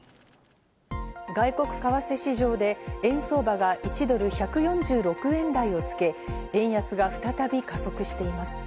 外国為替市場で円相場が１ドル＝１４６円台をつけ、円安が再び加速しています。